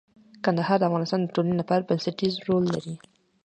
کندهار د افغانستان د ټولنې لپاره بنسټيز رول لري.